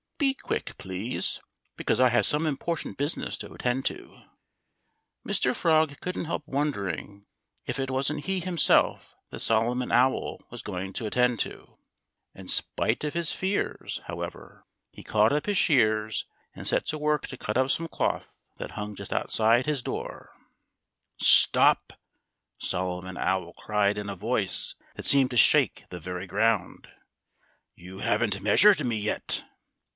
"Be quick, please! Because I have some important business to attend to." Mr. Frog couldn't help wondering if it wasn't he himself that Solomon Owl was going to attend to. In spite of his fears, to work to cut up some cloth that hung just outside his door. "Stop!" Solomon Owl cried in a voice that seemed to shake the very ground. "You haven't measured me yet!"